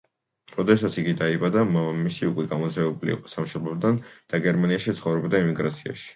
როდესაც იგი დაიბადა, მამამისი უკვე გამოძევებული იყო სამშობლოდან და გერმანიაში ცხოვრობდა ემიგრაციაში.